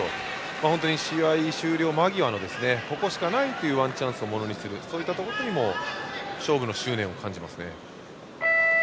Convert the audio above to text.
本当に試合終了間際のここしかないというワンチャンスをものにするそういったところにも勝負の執念を感じますね。